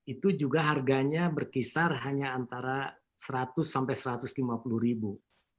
itu juga harganya berkisar hanya antara seratus sampai satu ratus lima puluh ribu